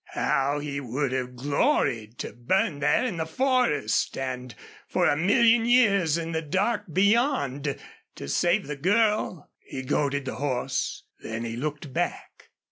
How he would have gloried to burn there in the forest, and for a million years in the dark beyond, to save the girl! He goaded the horse. Then he looked back.